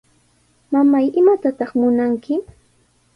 Mamay, ¿imatataq munanki?